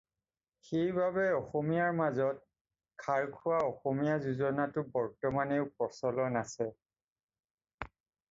"সেইবাবে অসমীয়াৰ মাজত "খাৰখোৱা অসমীয়া" যোজনাটো বৰ্তমানেও প্ৰচলন আছে।"